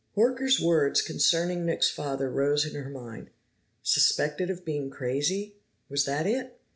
Horker's words concerning Nick's father rose in her mind. Suspected of being crazy! Was that it?